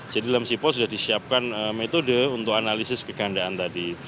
jadi dalam sipol sudah disiapkan metode untuk analisis kegandaan tadi